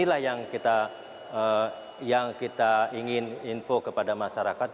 itu adalah yang kita ingin info kepada masyarakat